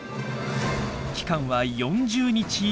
期間は４０日以上。